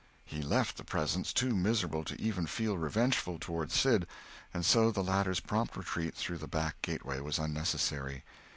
He left the presence too miserable to even feel revengeful toward Sid; and so the latter's prompt retreat through the back gate was unnecessary.